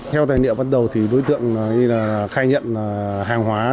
theo tài niệm bắt đầu thì đối tượng khai nhận hàng hóa